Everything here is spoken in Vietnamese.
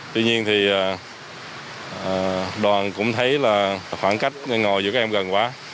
tuy nhiên thì đoàn cũng thấy là khoảng cách ngồi giữa các em gần quá